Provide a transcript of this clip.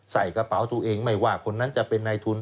ใส่กระเป๋าตัวเองไม่ว่าคนนั้นจะเป็นในทุน